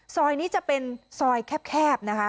ซอยนี้จะเป็นซอยแคบ